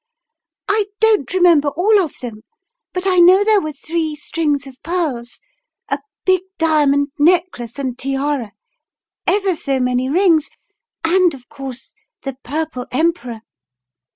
I don't remember all of them, but I know there were three strings of pearls, a big diamond necklace and tiara, ever so many rings, and of course the Purple Emperor!"